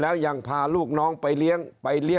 ถามเรื่องประวัติถามเรื่องความเสี่ยงอะไรต่ออะไรต่างแล้วเนี่ย